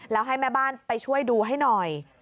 แล้วให้แม่บ้านไปช่วยดูให้หน่อย